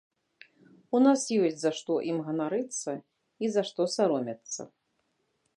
У нас ёсць за што ім ганарыцца і за што саромецца.